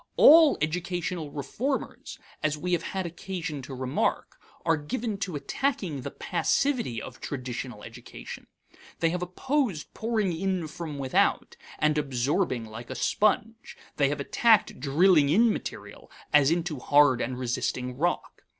All educational reformers, as we have had occasion to remark, are given to attacking the passivity of traditional education. They have opposed pouring in from without, and absorbing like a sponge; they have attacked drilling in material as into hard and resisting rock.